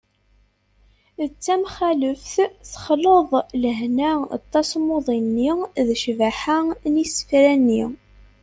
d tamxaleft : texleḍ lehna n tasmuḍi-nni d ccbaḥa n yisefra-nni